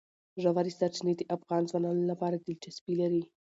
ژورې سرچینې د افغان ځوانانو لپاره دلچسپي لري.